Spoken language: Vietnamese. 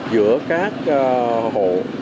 giữa các hộ